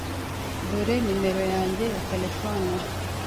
Dore nimero yanjye ya terefone.